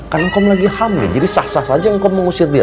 kan engkom lagi hamil jadi sah sah saja engkom mengusir dia